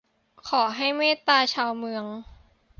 ขอให้เมตตาชาวเมือง